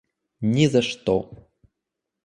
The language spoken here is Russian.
Ни за что!